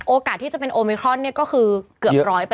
โอกาสที่จะเป็นโอมิครอนก็คือเกือบ๑๐๐